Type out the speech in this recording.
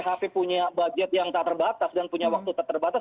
hp punya budget yang tak terbatas dan punya waktu terbatas